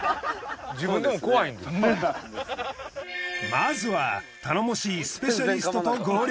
まずは頼もしいスペシャリストと合流。